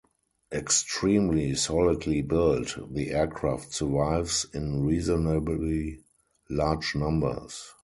Extremely solidly built, the aircraft survives in reasonably large numbers.